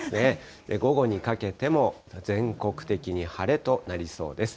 午後にかけても全国的に晴れとなりそうです。